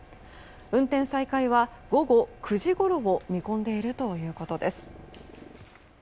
運転再開は午後９時ごろを見込んでいるということです。